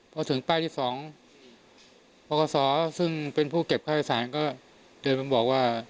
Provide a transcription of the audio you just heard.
พอถึงป้ายที่๒ปกศซึ่งเป็นผู้เก็บค่าโดยสารก็เดินมาบอกว่า